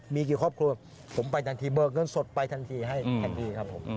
มีกี่ครอบครัวผมไปทันทีเบิกเงินสดไปทันทีให้ทันทีครับผม